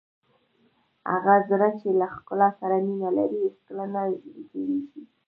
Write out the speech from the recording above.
هغه زړه چې له ښکلا سره مینه لري هېڅکله نه زړیږي.